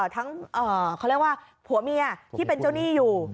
ทั้งเขาเรียกว่าผัวเมียที่เป็นเจ้าหนี้อยู่